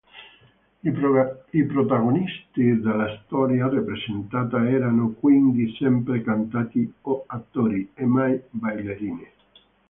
I protagonisti della storia rappresentata erano quindi sempre cantanti o attori, e mai ballerini.